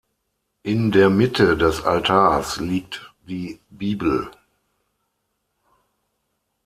In der Mitte des Altars liegt die Bibel.